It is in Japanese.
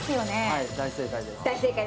はい大正解です